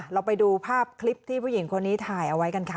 เราไปดูภาพคลิปที่ผู้หญิงคนนี้ถ่ายเอาไว้กันค่ะ